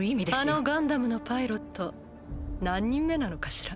あのガンダムのパイロット何人目なのかしら？